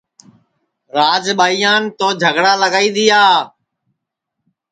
راج ٻائیان تو جھگڑا لگائی دِؔیا